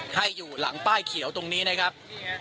ให้อยู่หลังป้ายเขียวตรงนี้นะครับ